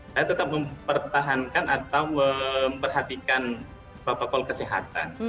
saya tetap mempertahankan atau memperhatikan protokol kesehatan